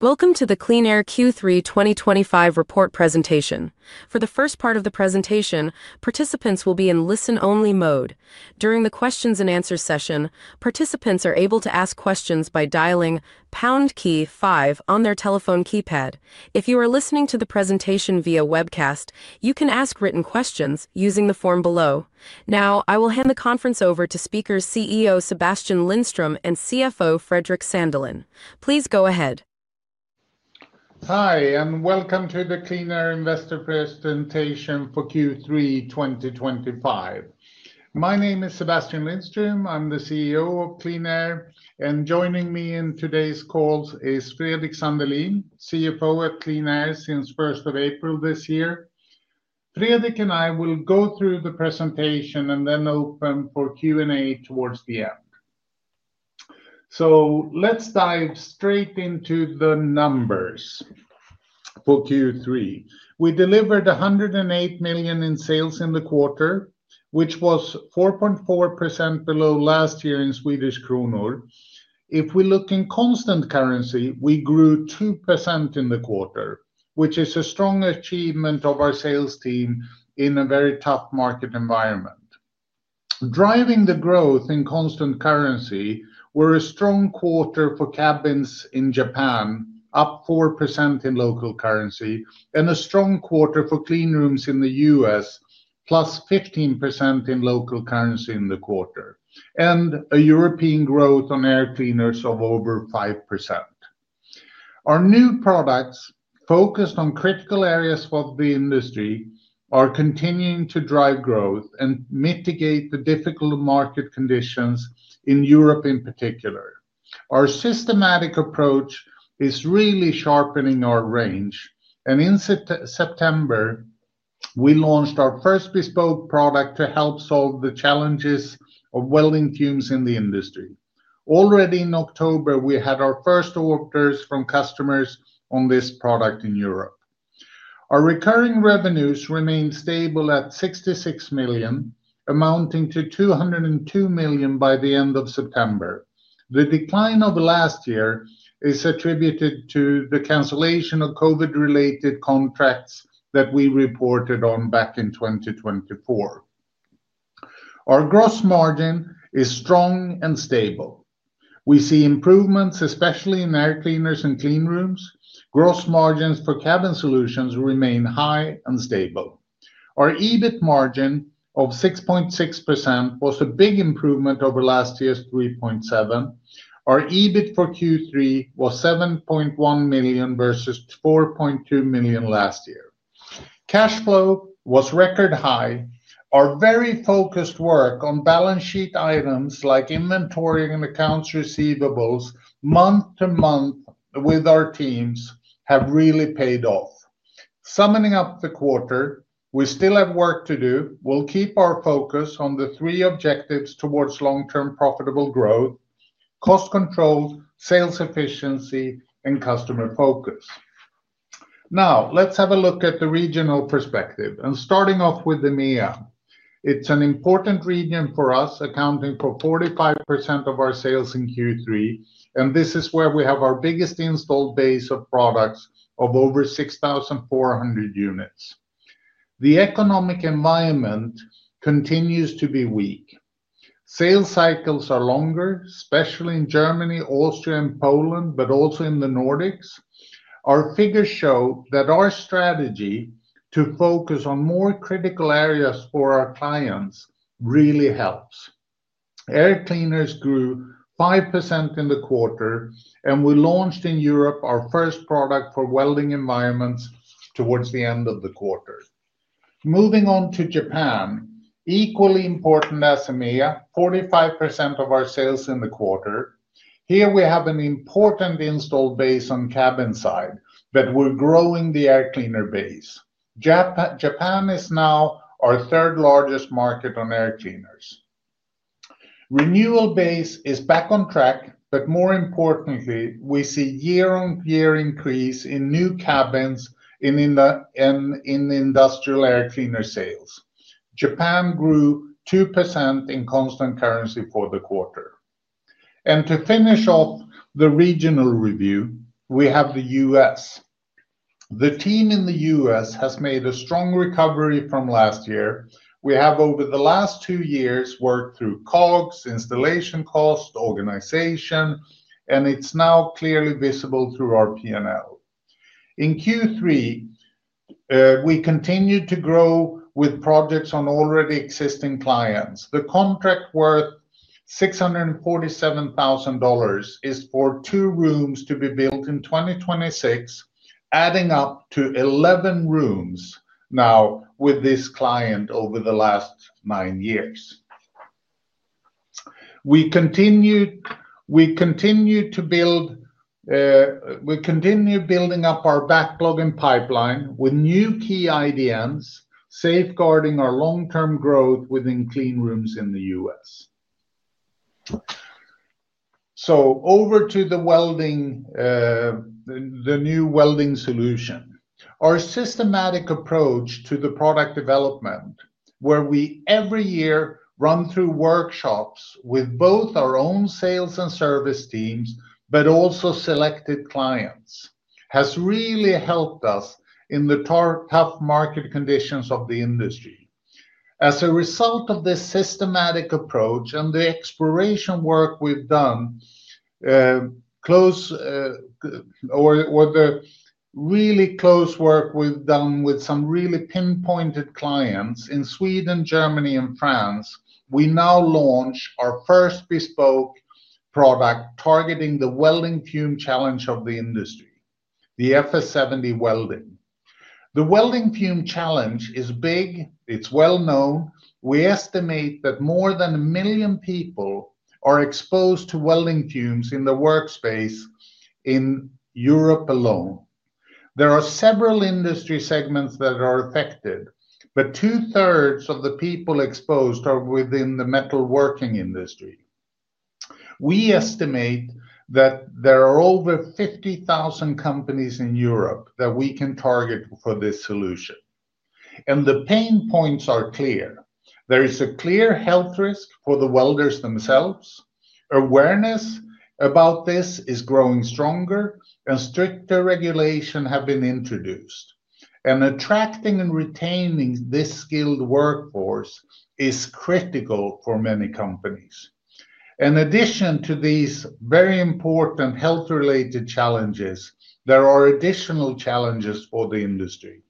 Welcome to the QleanAir Q3 2025 report presentation. For the first part of the presentation, participants will be in listen-only mode. During the Q&A session, participants are able to ask questions by dialing pound key five on their telephone keypad. If you are listening to the presentation via webcast, you can ask written questions using the form below. Now, I will hand the conference over to CEO Sebastian Lindström and CFO Fredrik Sandelin. Please go ahead. Hi, and welcome to the QleanAir investor presentation for Q3 2025. My name is Sebastian Lindström. I'm the CEO of QleanAir, and joining me in today's call is Fredrik Sandelin, CFO at QleanAir since 1st of April this year. Fredrik and I will go through the presentation and then open for Q&A towards the end. Let's dive straight into the numbers for Q3. We delivered 108 million in sales in the quarter, which was 4.4% below last year in Swedish kronor. If we look in constant currency, we grew 2% in the quarter, which is a strong achievement of our sales team in a very tough market environment. Driving the growth in constant currency, we're a strong quarter for cabins in Japan, up 4% in local currency, and a strong quarter for Cleanrooms in the U.S., +15% in local currency in the quarter, and a European growth on Air Cleaners of over 5%. Our new products, focused on critical areas of the industry, are continuing to drive growth and mitigate the difficult market conditions in Europe in particular. Our systematic approach is really sharpening our range, and in September, we launched our first bespoke product to help solve the challenges of welding fumes in the industry. Already in October, we had our first orders from customers on this product in Europe. Our recurring revenues remain stable at 66 million, amounting to 202 million by the end of September. The decline of last year is attributed to the cancellation of COVID-related contracts that we reported on back in 2024. Our gross margin is strong and stable. We see improvements, especially in Air Cleaners and Cleanrooms. Gross margins for Cabin Solutions remain high and stable. Our EBIT margin of 6.6% was a big improvement over last year's 3.7%. Our EBIT for Q3 was 7.1 million versus 4.2 million last year. Cash flow was record high. Our very focused work on balance sheet items like inventory and accounts receivables month to month with our teams has really paid off. Summing up the quarter, we still have work to do. We'll keep our focus on the three objectives towards long-term profitable growth: cost control, sales efficiency, and customer focus. Now, let's have a look at the regional perspective, and starting off with EMEA. It's an important region for us, accounting for 45% of our sales in Q3, and this is where we have our biggest installed base of products of over 6,400 units. The economic environment continues to be weak. Sales cycles are longer, especially in Germany, Austria, and Poland, but also in the Nordics. Our figures show that our strategy to focus on more critical areas for our clients really helps. Air Cleaners grew 5% in the quarter, and we launched in Europe our first product for welding environments towards the end of the quarter. Moving on to Japan, equally important as EMEA, 45% of our sales in the quarter. Here we have an important installed base on cabin side, but we're growing the air cleaner base. Japan is now our third largest market on Air Cleaners. Renewal base is back on track, but more importantly, we see year-on-year increase in new cabins and in industrial air cleaner sales. Japan grew 2% in constant currency for the quarter. To finish off the regional review, we have the U.S. The team in the U.S. has made a strong recovery from last year. We have, over the last two years, worked through COGS, installation cost, organization, and it is now clearly visible through our P&L. In Q3, we continued to grow with projects on already existing clients. The contract worth $647,000 is for two rooms to be built in 2026, adding up to 11 rooms now with this client over the last nine years. We continue to build up our backlog and pipeline with new key ideas, safeguarding our long-term growth within Cleanrooms in the U.S. Over to the new welding solution. Our systematic approach to the product development, where we every year run through workshops with both our own sales and service teams, but also selected clients, has really helped us in the tough market conditions of the industry. As a result of this systematic approach and the exploration work we've done, or the really close work we've done with some really pinpointed clients in Sweden, Germany, and France, we now launch our first bespoke product targeting the welding fume challenge of the industry, the FS 70 Welding. The welding fume challenge is big. It's well known. We estimate that more than 1 million people are exposed to welding fumes in the workspace in Europe alone. There are several industry segments that are affected, but 2/3 of the people exposed are within the metalworking industry. We estimate that there are over 50,000 companies in Europe that we can target for this solution. The pain points are clear. There is a clear health risk for the welders themselves. Awareness about this is growing stronger, and stricter regulations have been introduced. Attracting and retaining this skilled workforce is critical for many companies. In addition to these very important health-related challenges, there are additional challenges for the industry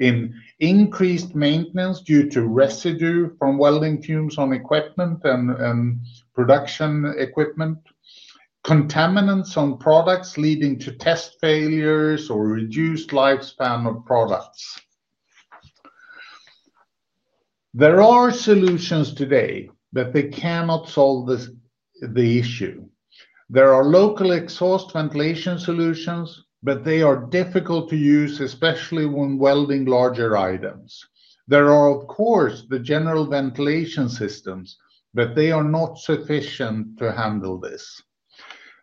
in increased maintenance due to residue from welding fumes on equipment and production equipment, contaminants on products leading to test failures or reduced lifespan of products. There are solutions today, but they cannot solve the issue. There are local exhaust ventilation solutions, but they are difficult to use, especially when welding larger items. There are, of course, the general ventilation systems, but they are not sufficient to handle this.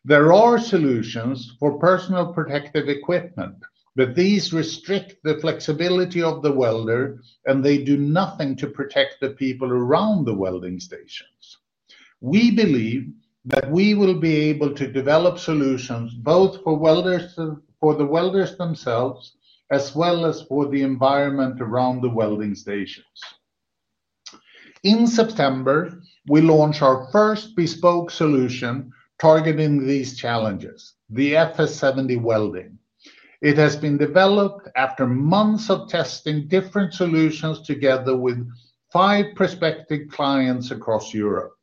There are solutions for personal protective equipment, but these restrict the flexibility of the welder, and they do nothing to protect the people around the welding stations. We believe that we will be able to develop solutions both for the welders themselves as well as for the environment around the welding stations. In September, we launch our first bespoke solution targeting these challenges, the FS 70 Welding. It has been developed after months of testing different solutions together with five prospective clients across Europe.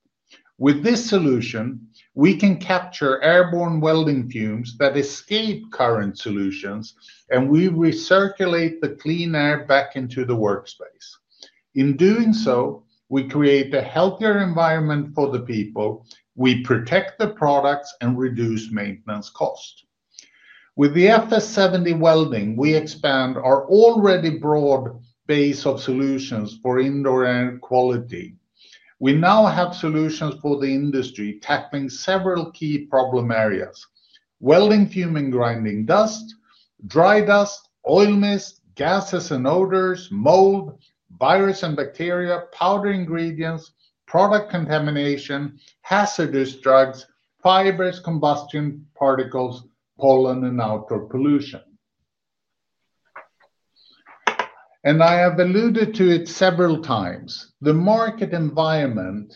With this solution, we can capture airborne welding fumes that escape current solutions, and we recirculate the clean air back into the workspace. In doing so, we create a healthier environment for the people, we protect the products, and reduce maintenance costs. With the FS 70 Welding, we expand our already broad base of solutions for indoor air quality. We now have solutions for the industry tackling several key problem areas: welding fume and grinding dust, dry dust, oil mist, gases and odors, mold, virus and bacteria, powder ingredients, product contamination, hazardous drugs, fibers, combustion particles, pollen, and outdoor pollution. I have alluded to it several times. The market environment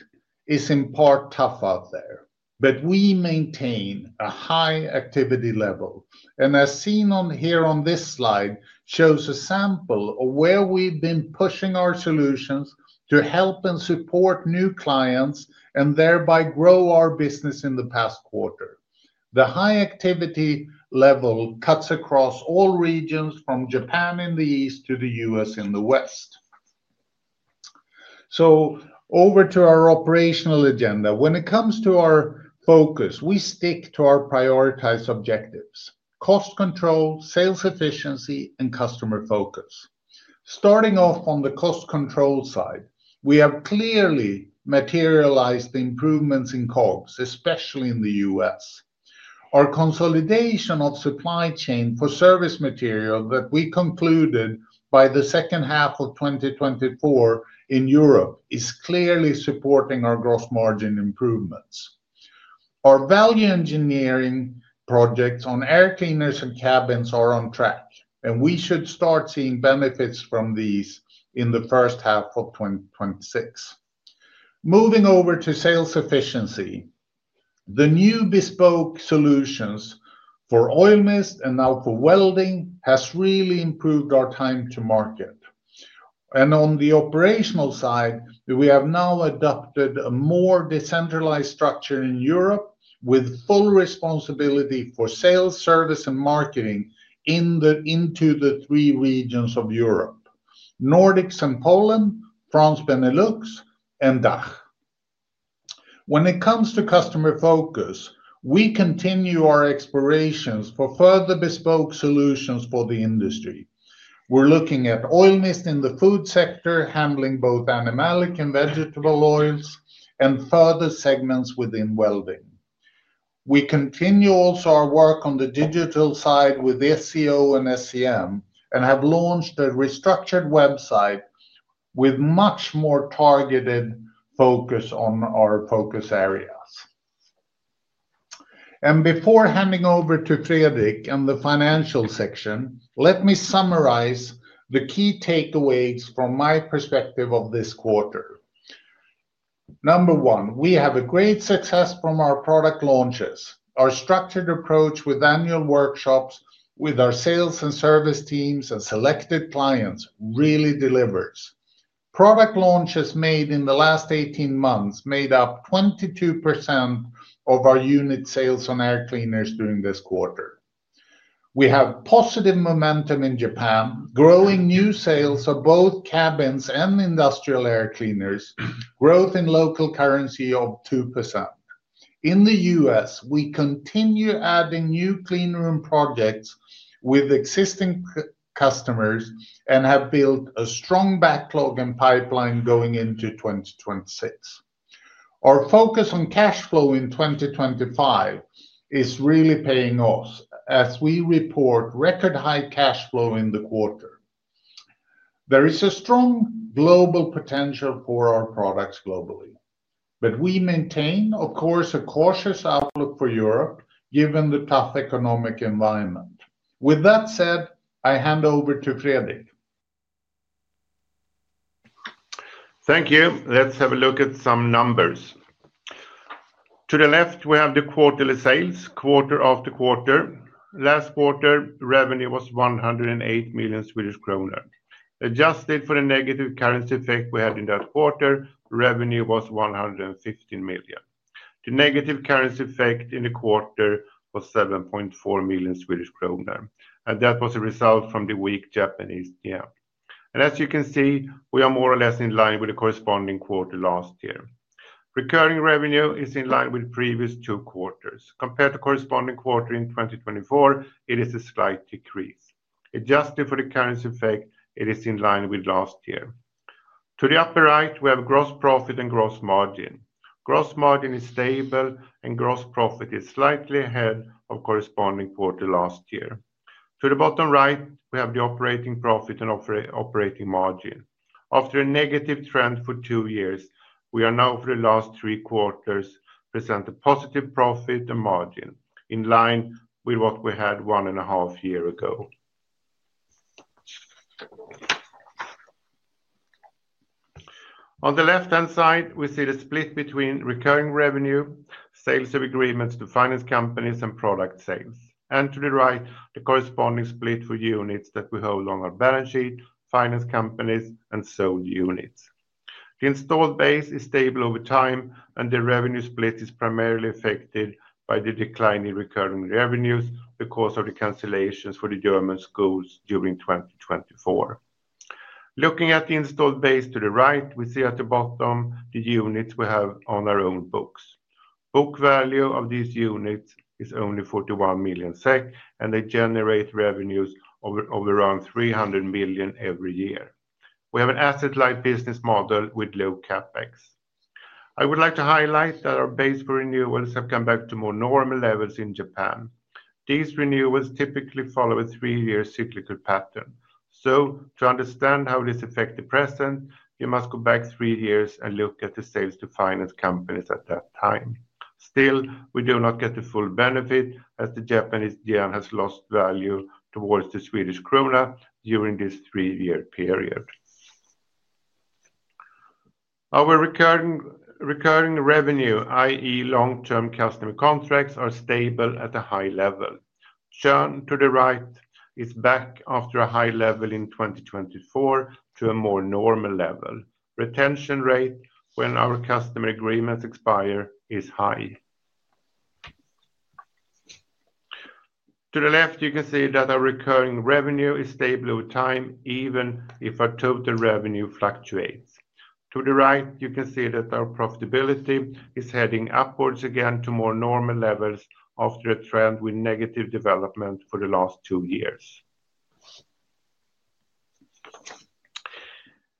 is in part tough out there, but we maintain a high activity level. As seen here, this slide shows a sample of where we've been pushing our solutions to help and support new clients and thereby grow our business in the past quarter. The high activity level cuts across all regions, from Japan in the east to the U.S. in the west. Over to our operational agenda. When it comes to our focus, we stick to our prioritized objectives: cost control, sales efficiency, and customer focus. Starting off on the cost control side, we have clearly materialized improvements in COGS, especially in the U.S. Our consolidation of supply chain for service material that we concluded by the second half of 2024 in Europe is clearly supporting our gross margin improvements. Our value engineering projects on Air Cleaners and Cabins are on track, and we should start seeing benefits from these in the first half of 2026. Moving over to sales efficiency, the new bespoke solutions for oil mist and now for welding have really improved our time to market. On the operational side, we have now adopted a more decentralized structure in Europe with full responsibility for sales, service, and marketing into the three regions of Europe: Nordics and Poland, France Benelux, and DACH. When it comes to customer focus, we continue our explorations for further bespoke solutions for the industry. We're looking at oil mist in the food sector, handling both animalic and vegetable oils, and further segments within welding. We continue also our work on the digital side with SEO and SEM and have launched a restructured website with much more targeted focus on our focus areas. Before handing over to Fredrik and the financial section, let me summarize the key takeaways from my perspective of this quarter. Number one, we have a great success from our product launches. Our structured approach with annual workshops with our sales and service teams and selected clients really delivers. Product launches made in the last 18 months made up 22% of our unit sales on Air Cleaners during this quarter. We have positive momentum in Japan, growing new sales of both cabins and industrial Air Cleaners, growth in local currency of 2%. In the U.S., we continue adding new cleanroom projects with existing customers and have built a strong backlog and pipeline going into 2026. Our focus on cash flow in 2025 is really paying off as we report record high cash flow in the quarter. There is a strong global potential for our products globally, but we maintain, of course, a cautious outlook for Europe given the tough economic environment. With that said, I hand over to Fredrik. Thank you. Let's have a look at some numbers. To the left, we have the quarterly sales, quarter-after-quarter. Last quarter, revenue was 108 million Swedish kronor. Adjusted for the negative currency effect we had in that quarter, revenue was 115 million. The negative currency effect in the quarter was 7.4 million Swedish kronor. That was a result from the weak Japanese yen. As you can see, we are more or less in line with the corresponding quarter last year. Recurring revenue is in line with previous two quarters. Compared to corresponding quarter in 2024, it is a slight decrease. Adjusted for the currency effect, it is in line with last year. To the upper right, we have gross profit and gross margin. Gross margin is stable, and gross profit is slightly ahead of corresponding quarter last year. To the bottom right, we have the operating profit and operating margin. After a negative trend for two years, we are now, for the last three quarters, present a positive profit and margin in line with what we had one and a half years ago. On the left-hand side, we see the split between recurring revenue, sales of agreements to finance companies, and product sales. To the right, the corresponding split for units that we hold on our balance sheet, finance companies, and sold units. The installed base is stable over time, and the revenue split is primarily affected by the declining recurring revenues because of the cancellations for the German schools during 2024. Looking at the installed base to the right, we see at the bottom the units we have on our own books. Book value of these units is only 41 million SEK, and they generate revenues of around 300 million every year. We have an asset-like business model with low CapEx. I would like to highlight that our base for renewals have come back to more normal levels in Japan. These renewals typically follow a three-year cyclical pattern. To understand how this affects the present, you must go back three years and look at the sales to finance companies at that time. Still, we do not get the full benefit as the Japanese yen has lost value towards the Swedish krona during this three-year period. Our recurring revenue, i.e., long-term customer contracts, are stable at a high level. Churn to the right is back after a high level in 2024 to a more normal level. Retention rate when our customer agreements expire is high. To the left, you can see that our recurring revenue is stable over time, even if our total revenue fluctuates. To the right, you can see that our profitability is heading upwards again to more normal levels after a trend with negative development for the last two years.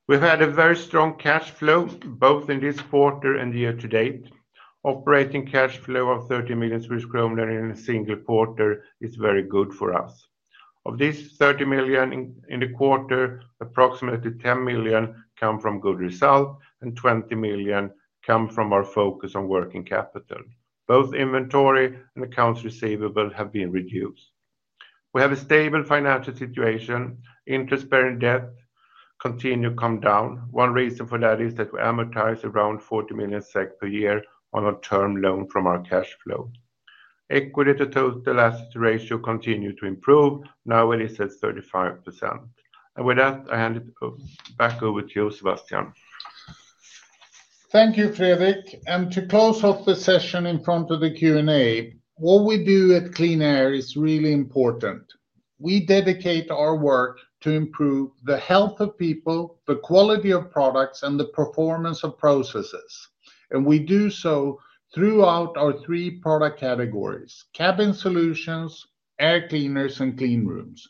We've had a very strong cash flow both in this quarter and year to date. Operating cash flow of 30 million kronor in a single quarter is very good for us. Of this 30 million in the quarter, approximately 10 million come from good results, and 20 million come from our focus on working capital. Both inventory and accounts receivable have been reduced. We have a stable financial situation. Interest-bearing debt continues to come down. One reason for that is that we amortize around 40 million SEK per year on our term loan from our cash flow. Equity to total asset ratio continues to improve. Now it is at 35%. With that, I hand it back over to you, Sebastian. Thank you, Fredrik. To close off the session in front of the Q&A, what we do at QleanAir is really important. We dedicate our work to improve the health of people, the quality of products, and the performance of processes. We do so throughout our three product categories: Cabin Solutions, Air Cleaners, and Cleanrooms.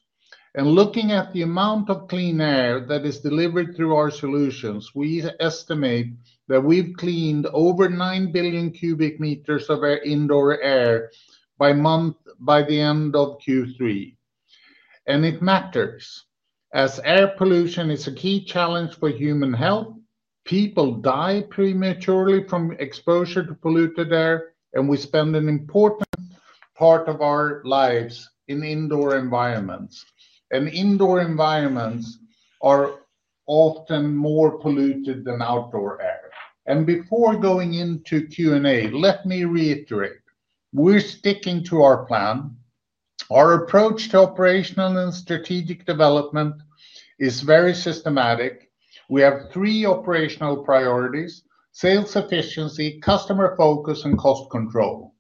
Looking at the amount of clean air that is delivered through our solutions, we estimate that we have cleaned over 9 billion cubic meters of indoor air by the end of Q3. It matters as air pollution is a key challenge for human health. People die prematurely from exposure to polluted air, and we spend an important part of our lives in indoor environments. Indoor environments are often more polluted than outdoor air. Before going into Q&A, let me reiterate. We are sticking to our plan. Our approach to operational and strategic development is very systematic. We have three operational priorities: sales efficiency, customer focus, and cost control.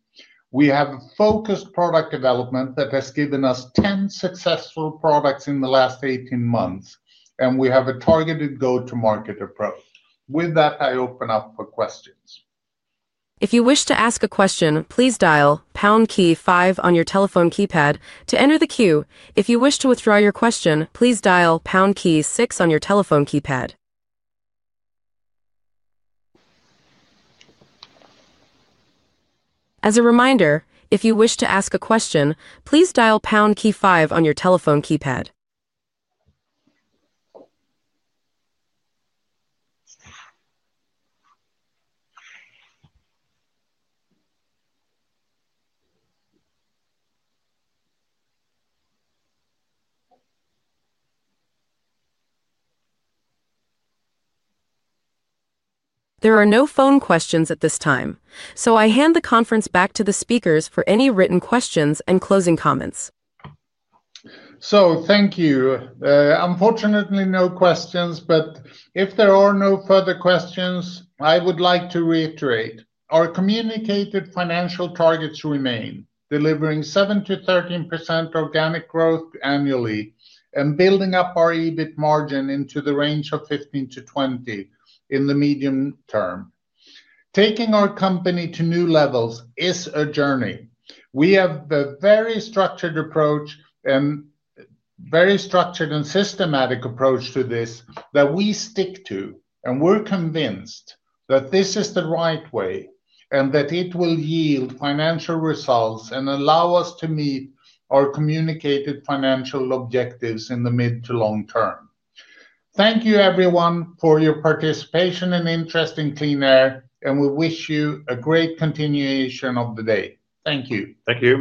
We have focused product development that has given us 10 successful products in the last 18 months, and we have a targeted go-to-market approach. With that, I open up for questions. If you wish to ask a question, please dial pound key five on your telephone keypad to enter the queue. If you wish to withdraw your question, please dial pound key six on your telephone keypad. As a reminder, if you wish to ask a question, please dial pound key five on your telephone keypad. There are no phone questions at this time, so I hand the conference back to the speakers for any written questions and closing comments. Thank you. Unfortunately, no questions, but if there are no further questions, I would like to reiterate. Our communicated financial targets remain: delivering 7%-13% organic growth annually and building up our EBIT margin into the range of 15%-20% in the medium term. Taking our company to new levels is a journey. We have a very structured and systematic approach to this that we stick to, and we're convinced that this is the right way and that it will yield financial results and allow us to meet our communicated financial objectives in the mid to long term. Thank you, everyone, for your participation and interest in QleanAir, and we wish you a great continuation of the day. Thank you. Thank you.